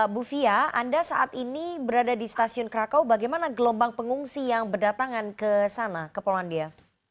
bu fia anda saat ini berada di stasiun krakau bagaimana gelombang pengungsi yang berdatangan ke sana ke polandia